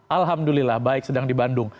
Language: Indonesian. alhamdulillah baik sedang di bandung